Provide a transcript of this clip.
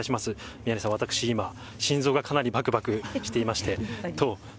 宮根さん、私、今、心臓がかなりばくばくしていまして。